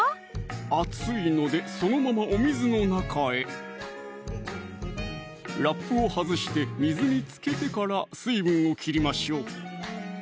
熱いのでそのままお水の中へラップを外して水につけてから水分を切りましょう